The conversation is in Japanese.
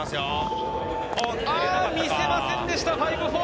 あ、見せませんでした、５４０！